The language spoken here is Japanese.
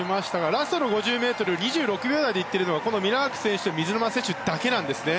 ラストの５０ｍを２６秒台でいってるのがこのミラーク選手と水沼選手だけなんですね。